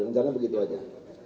misalnya begitu aja